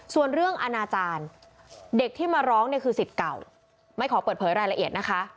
ส่วนเรื่องอนาจารย์เด็กที่มาร้องเนี่ยคือสิทธิ์เก่าไม่ขอเปิดเผยรายละเอียดนะคะ